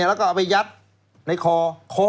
แล้วก็เอาไปยัดในคอคอ